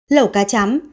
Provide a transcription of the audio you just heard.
lẩu cá chấm